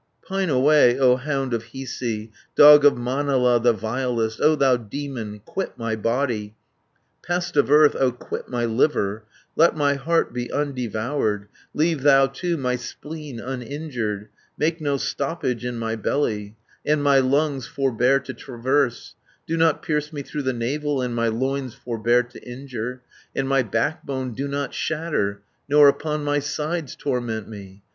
"Pine away, O hound of Hiisi, Dog of Manala the vilest, O thou demon, quit my body, Pest of earth, O quit my liver, Let my heart be undevoured, Leave thou, too, my spleen uninjured, 250 Make no stoppage in my belly, And my lungs forbear to traverse, Do not pierce me through the navel, And my loins forbear to injure, And my backbone do not shatter, Nor upon my sides torment me.